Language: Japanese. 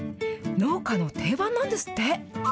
農家の定番なんですって。